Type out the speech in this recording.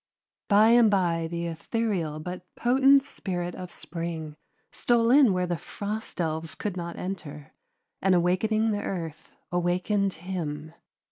By and by the ethereal but potent spirit of spring stole in where the frost elves could not enter, and awakening the earth awakened him.